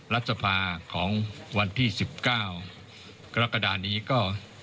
รัฐสภาของวันที่๑๙กรกฎานี้ก็